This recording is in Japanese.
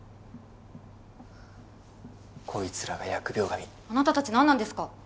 こいつらが疫病神あなたたち何なんですか？